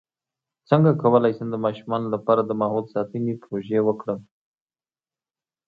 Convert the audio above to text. څنګه کولی شم د ماشومانو لپاره د ماحول ساتنې پروژې وکړم